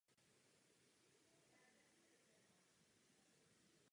Byl však omilostněn a získal mnohé statky na Moravě.